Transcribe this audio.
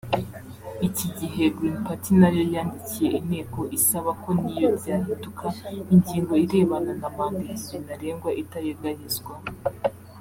Iki gihe Green Party nayo yandikiye inteko isaba ko niyo ryahinduka ingingo irebana na manda ebyiri ntarengwa itayegayezwa